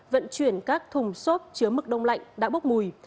vận chuyển các thùng xốp chứa mực đông lạnh đã bốc mùi